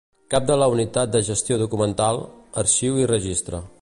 Cap de la Unitat de Gestió Documental, Arxiu i Registre.